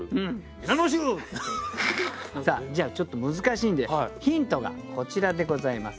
じゃあちょっと難しいんでヒントがこちらでございます。